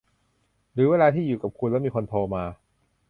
หรือเวลาที่อยู่กับคุณแล้วมีคนโทร มา